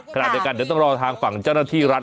ขณะเดียวกันต้องรอของธรรมจ้าหน้าที่รัฐ